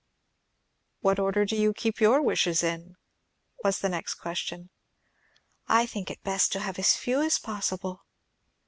"What order do you keep your wishes in?" was the next question. "I think it best to have as few as possible."